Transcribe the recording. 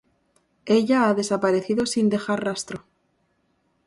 Ella ha desaparecido sin dejar rastro.